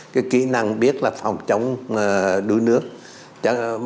cái kỹ năng biết là phòng chống đuối nước